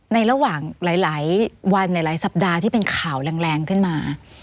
ในระหว่างหลายวันหลายสัปดาห์ที่เป็นข่าวแรงขึ้นมา